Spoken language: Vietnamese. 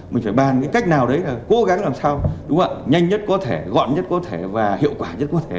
mình phải bàn cách nào đấy cố gắng làm sao nhanh nhất có thể gọn nhất có thể và hiệu quả nhất có thể